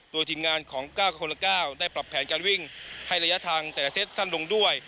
โดยทีมงานของ๙คนละ๙ได้ปรับแผนการวิ่งให้ระยะทางแต่ละเซตสั้นลงด้วย